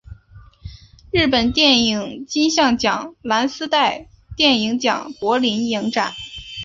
日本电影金像奖蓝丝带电影奖柏林影展